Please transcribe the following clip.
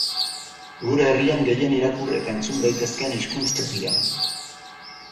Gure herrian gehien irakur eta entzun daitezkeen hizkuntzak dira.